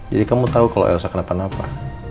jadi kamu tahu kalau elsa kenapa kenapa